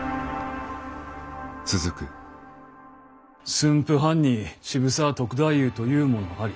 「駿府藩に渋沢篤太夫というものあり」。